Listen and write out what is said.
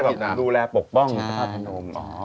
ดูแลปกป้องพระธาตุพนม